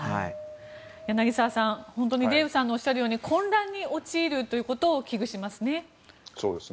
柳澤さん、本当にデーブさんのおっしゃるように混乱に陥るということを危惧しますね。